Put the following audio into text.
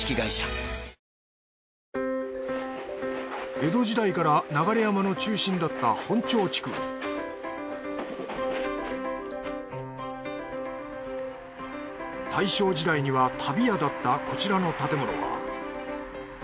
江戸時代から流山の中心だった本町地区大正時代には足袋屋だったこちらの建物は。